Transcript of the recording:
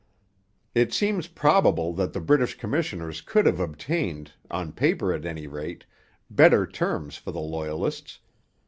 It seems probable that the British commissioners could have obtained, on paper at any rate, better terms for the Loyalists.